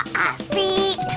gak ada istirahat nih